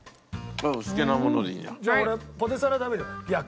じゃあ俺ポテサラ食べる。